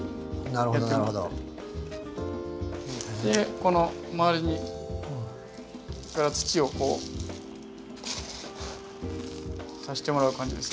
この周りに土をこう足してもらう感じです。